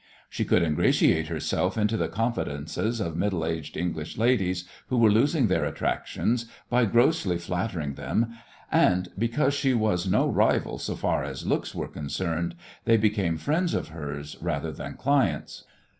She could ingratiate herself into the confidences of middle aged English ladies who were losing their attractions by grossly flattering them, and, because she was no rival so far as looks were concerned, they became friends of hers rather than clients.